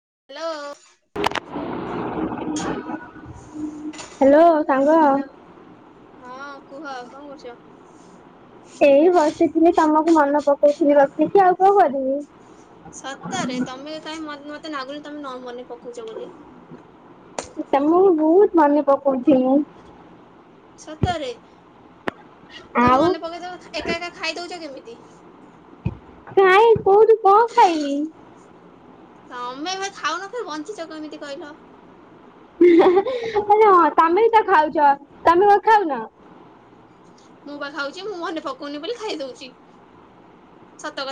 Hello. [inaudible] Hello ସାଙ୍ଗ। Hello. ହଁ କୁହ କଣ କରୁଛ? ଏଇ ବସିଥିଲି ତମକୁ ମନ ପକଉଥିଲି ରଖଛିି ଆଉ କଉ କରିବି। ସତରେ ତମେ କାହିଁ ମତେ ନାଗୁଲି ତମେ ନ ମନେ ପକଉଛ ବୋଲି ତ ମୁଁ ବି ବହୁତ ମନେ ପକଉଛି ମୁଁ। ସତରେ ତମ ଆଉ ମନେ ପକେଇ ଏକା ଏକା ଖାଇ ଦଉଛ କେମିତି? ନାଇଁ କୋଉଠୁ କଣ ଖାଇଲି। ତମେ ଏ ଖାଉନ ଫରେ ବଞ୍ଚିଛ ଏମିତି କହିଲ। ହଁ ତମେ ବି ତ ଖାଉଛ ତମେ ଖାଉ ନା। ମୁଁ ବା ଖାଉଛି ମୁଁ ମନେ ପକଉନି ବୋଲି ଖାଇ ଦଉଛି।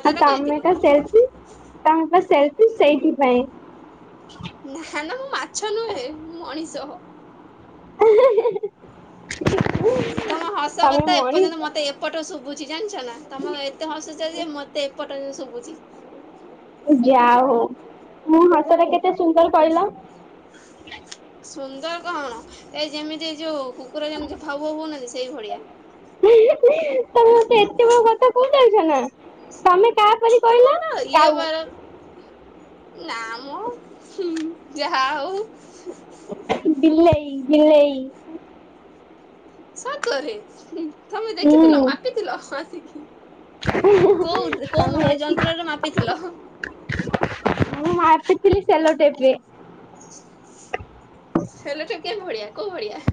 ହ ତମେ ତ ସେଲଫି ତମେ ତ ସେଲଫି ସେଇଥିପାଇ ନା ନା ମୁଁ ମାଛ ନୁହେଁ ମଣିଷ ହ ତମ ହସ ତମେ କଥା ଏପର୍ଯ୍ୟନ୍ତ ମଣିଷ ମତେ ଏପଟ ଶୁଭୁଛି ଜାଣିଛ ନା। ତମ ଏତେ ହସୁଛ ଯେ ମତେ ଏପଟ ଶୁଭୁଛି। ଯା ହଉ ମୁଁ ହସ ଟା କେତେ ସୁନ୍ଦର କହିଲ? ସୁନ୍ଦର କଣ? ଏଇ ଯେମିତି ଏଇ ଯୋଉ କୁକୁର ଯେମିତି ଭାଉ, ଭୋଉ ହଉନାହାନ୍ତି ସେଇ ଭଳିଆ। ଛ ନା ତମେ କାହାପରି କହିଲ ତୁମ ତ ଇଏ କାଉ ବାର ନାମ ମୁଁ ଯାହା ହଉ। ବିଲେଇ ବିଲେଇ। ସକରେ ତମେ ଦେଖିଥିଲ, ହୁଁ ମାପିଥିଲ ଆସିକି। କୋଉ ଆଉ କୋଉମ ଏତି ଯନ୍ତ୍ରରେ ମାପିଥିଲ? ମୁଁ ମାପିଥିଲି ସେଲୋ ଟେପ୍ ରେ। ସେଲ ଟା କେ ଭଳିଆ କୋଉ ଭଳିଆ?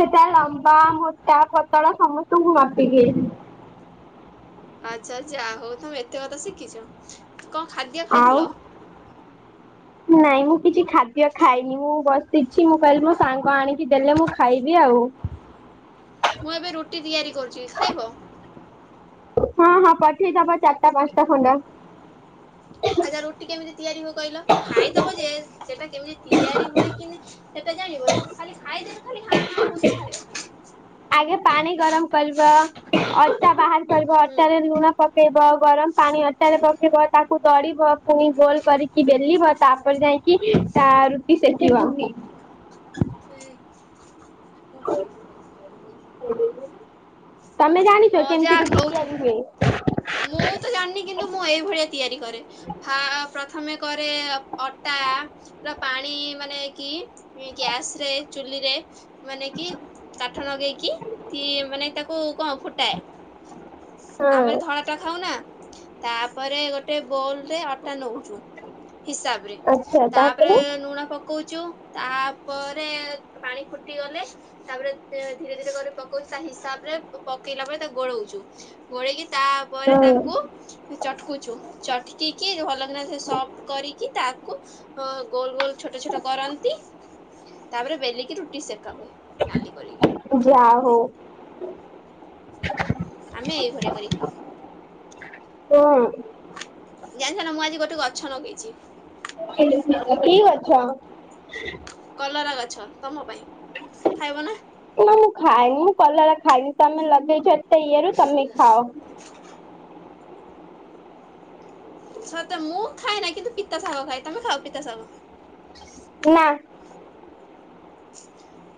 ସେଟା ଲମ୍ବା ମୋଟା ପତଳ ସମସ୍ତଙ୍କୁ ମାପିକି ଆଚ୍ଛା ଯା ହଉ ତମେ ଏତେ କଥା ଶିଖିଛ। କଣ ଖାଦ୍ୟ ଆଉ ଖାଇଥିଲ? ନାଇଁ ମୁଁ କିଛି ଖାଦ୍ୟ ଖାଇନି ମୁଁ ବସିଛି। ମୁଁ କହିଲି ମୋ ସାଙ୍ଗ ଆଣିକି ଦେଲେ ମୁଁ ଖାଇ ବି ଆଉ ମୁଁ ଏବେ ରୁଟି ତିଆରି କରୁଛି ଖାଇବ? ହଁ ହଁ ପଠେଇଦବ ଚାରିଟା ପାଞ୍ଚଟା ଖଣ୍ଡା। ଆ ଯା ରୁଟି କେମିତି ତିଆରି ହୁଏ କହିଲ? ଖାଇଦବ ଯେ ସେଟା କେମିତି ତିଆରି ହୁଏ କିମି ହେ ଜାଣିବନି ଖାଲି ଖାଇଦେଲେ ଖାଲି ହାଁ ହାଁ ହଉଛ ଖାଇବା ପାଇଁ। ଆଗେ ପାଣି ଗରମ କରିବ, ଅଟା ବାହାର କରିବ, ହୁଁ ଅଟାରେ ଲୁଣ ପକେଇବ, ଗରମ ପାଣି ଅଟାରେ ପକିବ ତା କୁତଡିବ ପୁଣି ଗୋଲ କରିକି ବେଲିବ ତାପରେ ଯାଇକି ତା ରୁଟି ସେକିବ। ସେ [unintelligible] ତମେ ଜାଣିଛ କେମିତି ରୁଟି ହଉ ତିଆରି ହୁଏ? ମୁଁ ତ ଜାଣିନି କିନ୍ତୁ ମୁଁ ଏଇଭଳିଆ ତିଆରି କରେ। ଫାଳ ପ୍ର ପ୍ରଥମେ କରେ ଅଟା ର ପାଣି ମାନେ କି ଗ୍ୟାସ ରେ ଚୁ ଇରେ ମାନେକି କାଠ ନେଇକି କି ମାନେ ତାକୁ କ ଫୁ ହଁ ଆମେ ଧଳା ଟା ଖାଉ ନା। ତାପରେ ଗୋଟେ ବୋଲ ରେ ଅଟା ନଉଛୁ। ହିସାବ ରେ ତାପରେ ଲୁଣ ପକଉଛୁ ତାପରେ ପାଣି ଫୁଟି ଗଲେ ତାପରେ ତେ ଧୀରେ ଧୀରେ କରି ପକଉଛି ତା ହିସାବରେ [unintelligible] ଇଲା ପରେ ତା ଗୋଳଉଛୁ ଗୋଳେଇକି ତାପରେ ତାକୁ ହୁଁ। ଚଟକୁଛୁ ଚଟକିକି ଭଲକିନା ସେ ସଫ୍ଟ କରିକି ତାକୁ ଅଁ ଗୋଲ ଗୋଲ ଛୋଟ ଛୋଟ କରନ୍ତି, ତାପରେ ବେଲିକି ରୁଟି ସେକା ହୁଏ। ନାଲି କରିକି। ଯା ହ‌ଉ। ଆମେ ଏଇଭଳିଆ କରି ଖାଉ। ହୁଁ। ଜାଣିଛ ନା ମୁଁ ଆଜି ଗୋଟେ ଗଛ ନଗେଇଚି। କି ଗଛ? କଲରା ଗଛ ତମ ପାଇଁ। ଖାଇବ ନା? ନା ମୁଁ ଖାଏନି ମୁଁ କଲରା ଖାଇନି ତମେ ଲଗେଇଚ ଏତେ ଇଏରେ ତମେ ଖାଅ। ସତ ମୁଁ ଖାଏନା କିନ୍ତୁ ପିତା ଶାଗ ଖାଏ। ତମେ ଖାଅ ପିତା ଶାଗ? ହଁ।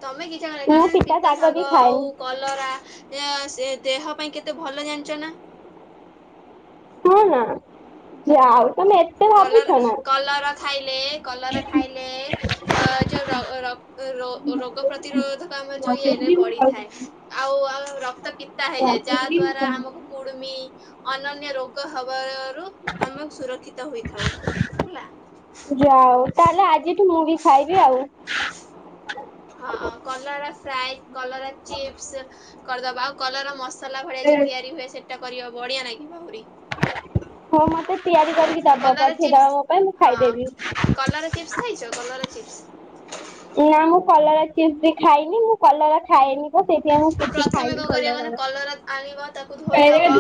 ତମେ କିଛି [unintelligible] ମୁଁ ତମେ ପିତା ବି ଶାଗ ଖାଏନି ଆଉ କଲରା ଇଏସେ ଦେହ ପାଇଁ କେତେ ଭଲ ଜାଣିଚ ନା? ହଁ ନା ଯାଅଉ କଲରା କଲରା ଖାଇଲେ କଲରା ଖାଇଲେ ଅ ଯୋଉ ର ର ରୋ ରୋଗ ପ୍ରତିରୋଧକ ଆମର ଯୋଉ ଇଏନେ ବଢିଥାଏ ଆଉ ଆ ରକ୍ତ ପିତା ହେଇଯାଏ ଯାଆଦ୍ୱାରା ରା ଆମକୁ କୁଡମି ଅନନ୍ୟ ରୋଗ ହବାରୁ ଆମ ସୁରକ୍ଷିତ ହୋଇଥାଉ ହେଲା। ଯାଅଉ ତାହେଲେ ଆଜିଠୁ ମୁଁ ବି ଖାଇବି ଆଉ [unintelligible] ଫ୍ରାଇ କଲରା ଚିପ୍ସ କରଦବା ଆଉ କଲରା ମସଲା ଭଳିଆ ଯୋଉ ତିଆରି ହୁଏ ସେଇଟା କରିବ ବଢିଆ ନାଗିବ ଆହୁରି। ହଉ ମତେ ତିଆରି କରିକି ଦବ କଲରା ପଠେଇଦବ ଚିପ୍ସ ମୋ ପାଇଁ ମୁଁ ହଁ ଖାଇଦେବି। କଲରା ଚିପ୍ସ ଖାଇଚ କଲରା ଚିପ୍ସ? ନା ମୁଁ କଲରା ଚିପ୍ ବି ଖାଇନି ମୁଁ କଲରା ଖାଏନି ତ। ସେଇଥିପାଇଁ ମୁଁ କିଛି ପ୍ରଥମେ ଖାଇନି କଣ କରିବା ମାନେ କଲରାର। କଲରାକ୍ ଆଣିବା ତାକୁ ଧୋଇଦବା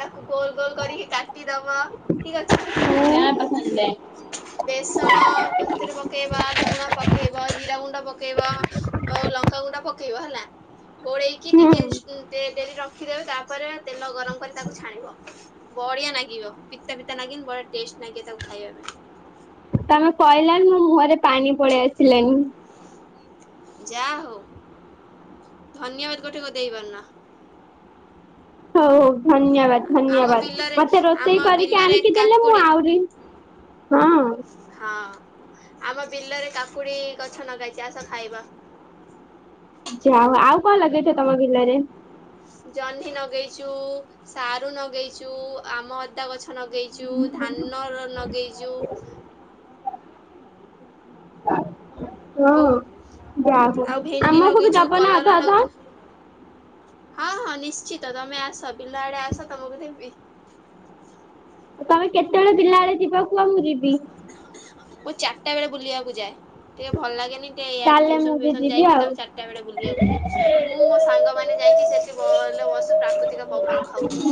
ତାକୁ ଗୋଲ ଗୋଲ କରି କାଟିଦବା ଠିକ ଅଛି। [inaudible] ବେସଣ ପ ସେଥିରେ ପକେଇବା ଲୁଣ ପକେଇ ବା ଜିରା ଗୁଣ୍ଡ ପକେଇବା ଆଉ ଲଙ୍କାଗୁଣ୍ଡ ପକେଇବା ହେଲା। ଗୋଡେଇକି ହୁଁ ଟିକେ ଇସ୍ କ ଡେ ଡେଲି ଡ୍ରଙ୍କ୍ ଖିଦେବେ। ତାପରେ ତେଲ ଗରମ କରି ତାକୁ ଛାଣିବ। ବଢିଆ ନାଗିବ ପିତା ଫିତା ନାଗିନି ବଢିଆ ଟେଷ୍ଟ୍। ନାଇଁ କିଏ ତାକୁ ଖାଇବା ପାଇଁ। ତମେ କହିଲଣି ମୋ ମୁହଁରେ ପାଣି ପଳେଇ ଆସିଲାଣିି। ଯା ହଉ ଧନ୍ୟବାଦ ଗୋଟିକ ଦେଇପାରୁନ। ହଉ ହଉ ଧନ୍ୟବାଦ ଆମ ଧନ୍ୟବାଦ। ବିଲରେ ମତେ ରୋଷେଇ ଆମ କରିକି ବିଲରେ ଆଣିକି ଦେଲେ ମୁଁ କାକୁଡି ଆଉରି ହଁ। ହଁ। ଆମ ବିଲରେ କାକୁଡି ଗଛ ନଗାହେଇଚି ଆସ ଖାଇବ। ହ [inaudible] ଯାଅଉ ଆଉ କଣ ଲଗେଇଚ ତମ ବିଲରେ? ଜହ୍ନି ନଗେଇଚୁ଼, ସାରୁ ନଗେଇଚୁ଼ ଆମ ଅଦା ଗଛ ନଗେଇଚୁ ଧାନର ନଗେଇଚୁ ହଁ। ଭଉ ଯା ହଉ ଆଉ ଭେଣ୍ଡି ଆମକୁ ବି ଲଗେଇଛୁ ଦବ ନା କଲରା ଅଧା ଅଧା? ଲଗା ହଁ ହଁ ନିଶ୍ଚିତ। ତମେ ଆସ ବିଲ ଆଡେ ଆସ ତମକୁ ଦେଁବି। ଆମେ କେତେବେଳେ ବିଲ ଆଡେ ଯିବ କୁହ ମୁଁ ଯିବି। [unintelligible] ଟାଏ ବେଳେ ବୁଲିଆକୁ ଯାଏ। ଟିକେ ଭଲ ଲାଗେନି। ଟେ ଇଆଡେ ତାହେଲେ ମୁଁ ଟିୟୁସନ ବି ଫିୟୁସନ ଯିବି ଯାଇଁକି ଆଉ। ତାଙ୍କୁ ଚାରିଟା ବେଳେ ବୁଲିଆକୁ ହଁ ଯାଏ। ମୁଁ ମୋ ସାଙ୍ଗମାନେ ଯାଇଁକି ସେଠି ବଲ୍ ଲୋ ବସୁ ପ୍ରାକୃତିକ ପବନ ଖାଉଚୁ।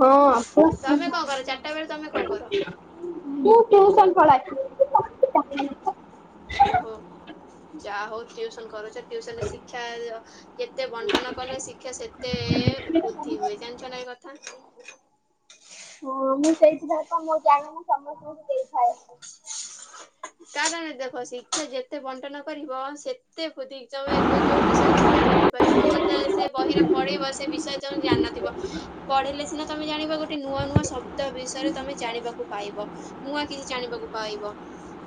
ହଁ। ତମେ କଣ କର ଚାରିଟା ବେଳେ ତମେ କଣ କର? ମୁଁ ଟ୍ୟୁସନ୍ ପଢ଼ାଏ। ଓହୋ। ଯା ହଉ ଟ୍ୟୁସନ୍ କରୁଚ ଟିୁସନ୍ ରେ ଶିକ୍ଷା ଯେତେ ବଣ୍ଟନ କଲେ ଶିକ୍ଷା ସେତେ ବୁଦ୍ଧି ହୁଏ ଜାଣିଛ ନାଁ ଏ କଥା? ହଁ ମୁଁ ସେଇଥି ଭାକ ମୋ ଜାଣ ମୁଁ ସମସ୍ତଙ୍କୁ ଦେଇଥାଏ ତା ସାଙ୍ଗରେ ଦେଖ ଶିକ୍ଷା ଯେତେ ବଣ୍ଟନ କରିବ ସେତେ ପ ଦି ଯୋଉ ଏ କୋଉ ଯୋଉ ବିଷୟ ତମେ ଜା ନଥିପା ଛୁଆଙ୍କ ତେ ସେ ବହିର ପଢ଼େଇବ ସେ ବିଷୟ ତମେ ଜାଣିନଥିବ ପଢ଼େଇଲେ ସିନା ତମେ ଜାଣିବ ଗୋ ଟେ ନୂଆ ନୂଆ ଶବ୍ଦ ବିଷୟରେ ତମେ ଜାଣିବାକୁ ପାଇବ। ନୂଆ କିଛି ଜାଣିବାକୁ ପାଇବ।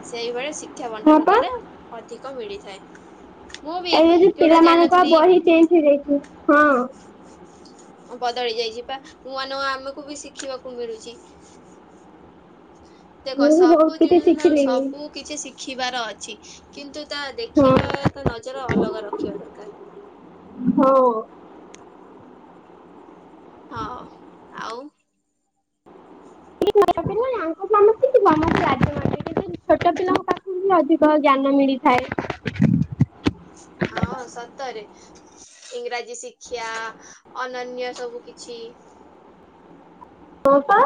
ସେଇଭଳି ଶିକ୍ଷା ହଁ ବଣ୍ଟନ ପା କଲେ ଅଧିକ ମିଳିଥାଏ। ମୁଁ ବି ଏବେ ଯୋଉ ଯୋଉଟା ପିଲାମାନଙ୍କ ଜାଣିନଥିଲି ବହି ଚେଞ୍ଚ୍ ହେଇଯାଇଛି। ହଁ। ଅ ବଦଳି ଯାଇଚି ପା ନୂଆ ନୂଆ ଆମୁକୁ ବି ଶିଖିବାକୁ ମିଳୁଚି। ଦେଖ ମୁଁ ବି ବହୁତ ସବୁ କିଛି ଜିନିଷ ଠାରୁ ଶିଖିଲିଣି ସବୁ କିଛି ଶିଖିବାର ଅଛି କିନ୍ତୁ ତା ହଁ ଦେଖିବା ତା ନଜର ଅଲଗା ରଖିବା ଦରକାର। ହଁ। ହଁ ଆଉ [inaudible] ଆଙ୍କ ସମସ୍ତିଙ୍କି ବାହାରେ ଲାଜ ମାଡ଼ୁଚି [unintelligible] ଉଁ ହୁଁ ଛୋଟ ପିଲାଙ୍କ ପାଖୁରୁ ହିଁ ଅଧିକ ଜ୍ଞାନ ମିଳିଥାଏ। ଅଁ ସତରେ ଇଂରାଜୀ ଶିକ୍ଷା ଅନନ୍ୟ ସବୁ କିଛି। ଇ ହଁ ପା।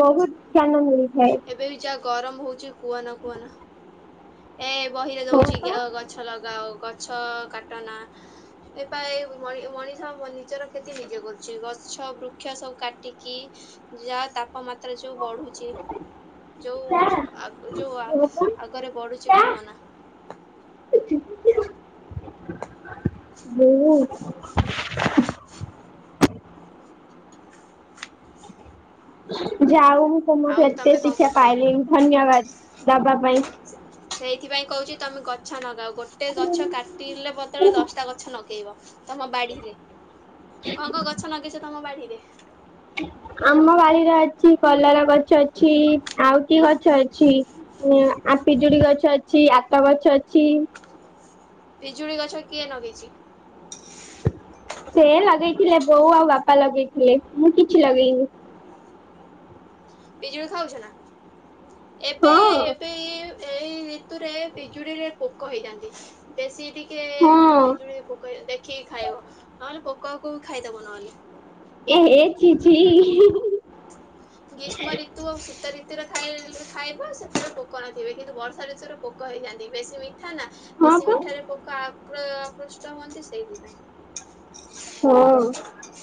ବହୁତ ଜ୍ଞାନ ମିଳେ। ଏବେ ବି ଯାହା ଗରମ ହୋଉଚି କୁହନା କୁହନା ଏ ବହିରେ ଦୋଉଚି ବୋପା ଗ୍ୟ ଗ ହ ଲଗାଉ ଗଛ କାଟନା। ଏ ପା ଏ ମଣି ମଣିଷ ମ ନିଜର କ୍ଷତି ନିଜେ କରୁଛି ଗଛ ବୃକ୍ଷ ସବୁ କାଟିକି ଯାହା ତାପମାତ୍ରା ଯୋଉ ବଢ଼ୁଚି ଯୋଉ ଚା ଆଗ ଯୋଉ ଆ ବୋପା ଆଗରେ ବଢ଼ୁ ଚି ଚା କୁହନା। ହ ବହୁତ ଯାଉ ମୁଁ ତୁମ ଆଉ କେତେ ତମେ କଣ ଶିକ୍ଷା କରୁଛ ପାଇଲିଁ କୁହ? ଧନ୍ୟବାଦ ଦବା ପାଇଁ। ସେଇଥିପାଇଁ କଉଚି ତମେ ଗଛ ନଗାଅ ଗୋଟେ ଗଛ କାଟିଲେ ବଦଳେ ଦଶଟା ଗଛ ନଗେଇବ। ତମ ବାଡ଼ିରେ କଁ କଁ ଗଛ ନଗେଇଚ ତମ ବାଡ଼ିରେ? ଆମ ବାଡ଼ିରେ ଅଛି କଲରା ଗଛ ଅଛି। ଆଉ କି ଗଛ ଅଛି ଇଁ ଆ ପିଜୁଳି ଗଛ ଅଛି ଆତ ଗଛ ଅଛି। ପିଜୁଳି ଗଛ କିଏ ନଗେଇଚି? ସେ ଲଗେଇଥିଲେ ବୋଉ ଆଉ ବାପା ଲଗେଇଥିଲେ ମୁଁ କିଛି ଲଗେଇନି। ପିଜୁଳି ଖାଉଛ ନାଁ? ଏବେ ହଁ ଏବେ ଏ ଏଇ ଋତୁରେ ବିଜୁଳିରେ ପୋକ ହେଇଯାନ୍ତି ବେଶ୍ ସିଏ ଟିକେ ନାଁ ହଁ ପିଜୁଳି ପୋକ ଦେଖିକି ଖାଇବ ନହେଲେ ପୋକକୁ ବି ଖାଇଦବ ନହେଲେ। ଏହେ ଛି ଛି। ଗୀଷ୍ମ ଋତୁ ଅ ଶୀତ ଋତରେ ଖାଇ ଲ ଖାଇବ ସେଥିରେ ପୋକ ନଥିବେ କିନ୍ତୁ ବର୍ଷା ଋତୁରେ ପୋକ ହେଇଯାନ୍ତି ବେଶୀ ମିଠା ନାଁ। ହଁ ବେଶୀ ପା ମିଠାରେ ପୋକ ଆକ୍ର ଆକୃଷ୍ଟ ହୁଅନ୍ତି ସେଇଥିପାଇଁ। ହଁ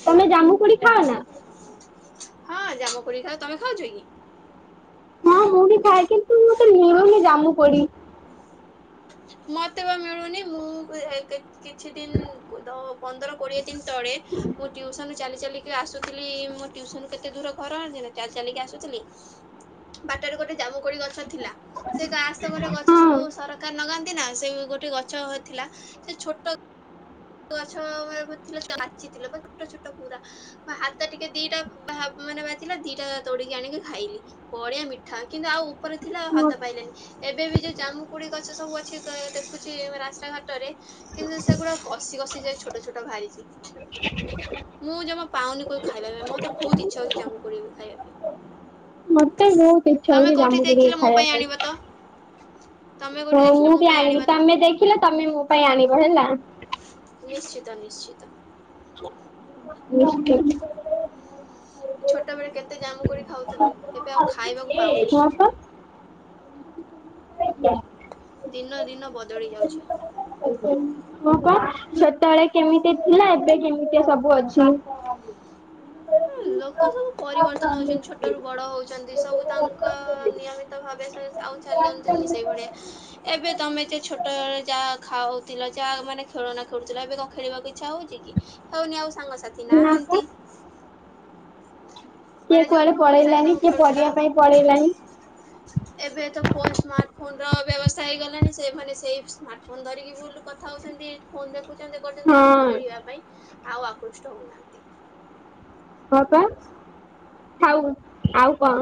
ତମେ ଜାମୁ କୋଳି ଖାଅ ନାଁ? ହଁ ଜାମ କୋଳି ଖାଏ ତମେ ଖାଉଚ କି ସି ଖାଏ କିନ୍ତୁ ମତେ ମିଳୁନି ଜାମୁ କୋଳି। ମତେ ବା ମିଳୁନି ମୁଁ ଏ ହେ କେ କିଛି ଦିନ ଦ ପନ୍ଦର କୋଡ଼ିଏ ଦିନ ତଳେ ମୁଁ ଟ୍ୟୁସନ ଚାଲି ଚାଲିକିରି ଆସୁଥିଲି ମୋ ଟ୍ୟୁସନରୁ କେତେ ଦୂର ଘର ଆଣଚ ନା ଚାଲି ଚାଲିକି ଆସୁଥିଲି ବାଟରେ ଗୋଟେ ଜାମୁ କୋଳି ଗଛ ଥିଲା ସେ କାସ୍ ଗୋଟେ ଗଛ ହଁ ସବୁ ସରକାର ନଗା କି ନାଁ ସେ ଗୋଟେ ଗଛ ହେ ଥିଲା ସେ ଛୋଟ ଗଛ ମତେ ତତେ କୋଉଥୁଲେ କାଚିଥିଲେ କ ଛୋଟ ଛୋଟ ପୁରା ବ ହାତ ଟିକେ ଦିଟା ଭା ମାନେ ବାଛିଲା ଦିଟା ତୋଡିକି ଆଣିକି ଖାଇଲି, ବଡିିଆ ମିଠା କିନ୍ତୁ ଆଉ ଉପରେ ଥିଲାଉ ମ- ହାତ ପାଇଲାନି। ଏବେ ବି ଯୋଉ ଜାମୁକୁଳି ଗଛ ସବୁ ଅଛି, ଦେଖୁଛି ରାସ୍ତା ଘାଟରେ କିନ୍ତୁ ସେଗୁଡା କଷି କଷି ଯ ଛୋଟ ଛୋଟ ବାହାରିଛି। ମୁଁ ଜମା ପାଉନି କ ଖାଇବା ପାଇଁ ମତେ ବହୁତ ଇଚ୍ଛା ହଉଛି ଜାମୁ କୋଳି ଖାଇବା ପାଇଁ। ମତେ ବହୁତ ଇଚ୍ଛା ତମେ ହଉଛି, କୋଉଠି ଜମୁ କୋଳି ଦେଖିଲେ ମୋ ଖାଇବା ଆଣିବ ତ ପାଇଁ। ତମେ ହଁ କୋଉଠି ମୁଁ ଦେଖିଲେ ମୋ ବି ପାଇଁ ଆଣିବି ଆଣିବ ତ ତମେ ଦେଖିଲ, ତମେ ମୋ ପାଇଁ ଆଣିବ ହେଲା। ନିଶ୍ଚିତ ନିଶ୍ଚିତ। ନି [unintelligible] ଛୋଟବେେଳେ କେତେ ଜାମୁ କୋଳି ଖାଉଥିଲି ଏବେ ଆଉ ଖାଇବାକୁ ଏ ପାଉନି ତୁସ [unintelligible] ଦିନ ଦିନ ବଦଳି ଯାଉଛି। ହଁ ପା ସେତେବେଳେ କେମିତି ଥିଲା, ଏବେ କେମିତି ସବୁ ଅଛି। ଲୋକ ସବୁ ପରିବର୍ତ୍ତନ ହଉଛନ୍ତି, ଛୋଟ ଅଛି। ରୁ ବଡ ହଉଛନ୍ତି ସବୁ ତାଙ୍କ ନିୟମିତ ଭାବେ ଆଉ ଚାଲି ସେଇ ଭଳିଆ ଏବେ ତମେ ଯ ଛୋଟଳେ ଯାହା ଖାଉଥିଲ ଯାହା ମାନେ ଖେଳନା ଖେଳୁଥିଲ, ଏବେ କ ଖେଳିବାକୁ ଇଚ୍ଛା ହଉଛି କି ହେଉନି ଆଉ ସାଙ୍ଗସାଥି ନା ପା ନାହାନ୍ତି। କିଏ ମାନେ ଯୋଉ କୁଆଡେ ଭଉଣୀ ସାଙ୍ଗେ ପଳେଇଲାନି ତମେ କିଏ ଖେଳୁଥିଲ ପଢିବା ପାଇଁ ପଳେଇଲାନି। ଏବେ ତ ଫୋନ ସ୍ମାର୍ଟ ଫୋନ ର ବ୍ୟବସ୍ଥା ହେଇଗଲାଣି, ସେମାନେ ସେଇ ସ୍ମାର୍ଟ ଫୋନ ଧରିକି ବୁୁଲୁ କଥା। ଫୋ [unintelligible] କରୁଛନ୍ତି କରୁଛନ୍ତି, ଆଉ ହଁ ଖେଳିବା ପାଇଁ ଆଉ ଆକୃଷ୍ଟ ହଉନାହାନ୍ତି। ହଁ ତ। ଆଉ କଣ?